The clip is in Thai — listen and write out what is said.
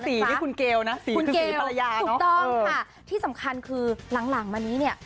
สีนี่คุณเกลนะสีคุณเกลภรรยาถูกต้องค่ะที่สำคัญคือหลังมานี้เนี่ย